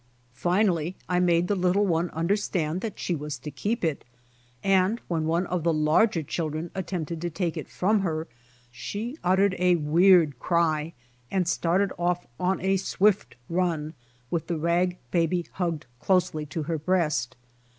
Finally I made the little one understand that she was to keep it, and when one of the larger children attempted to take it from her, she uttered a weird cry and started off on a swift run with the rag baby hugged closely to her breast.